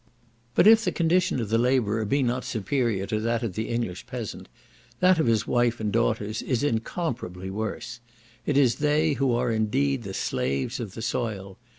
But if the condition of the labourer be not superior to that of the English peasant, that of his wife and daughters is incomparably worse. It is they who are indeed the slaves of the soil.